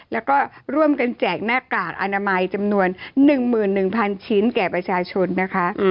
แล้วก็ร่วมกันแจกหน้ากากอนามัยจำนวน๑๑๐๐๐ชิ้นแก่ประชาชนนะคะ